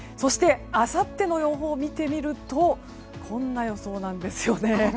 あさっての予報を見てみるとこんな予想なんですよね。